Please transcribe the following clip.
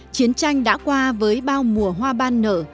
chiến tranh đã qua với bao mùa hoa ban nở